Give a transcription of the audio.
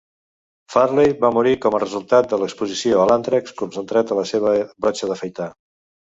Farley va morir com a resultat de l"exposició a l"àntrax concentrat de la seva brotxa d'afaitar.